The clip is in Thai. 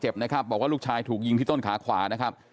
จริงอ่ะจริงอ่ะจริงอ่ะจริงอ่ะจริงอ่ะจริงอ่ะ